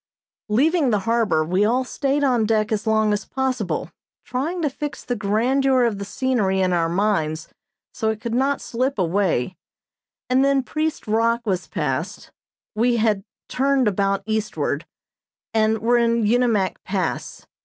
Leaving the harbor, we all stayed on deck as long as possible trying to fix the grandeur of the scenery in our minds so it could not slip away, and then Priest Rock was passed, we had turned about eastward, and were in Unimak Pass.